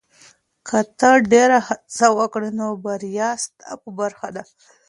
که ته ډېره هڅه وکړې، نو بریا ستا په برخه ده.